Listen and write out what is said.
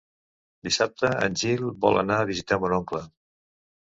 Dissabte en Gil vol anar a visitar mon oncle.